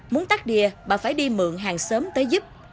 muốn tắt đìa bà phải đi mượn hàng sớm tới giúp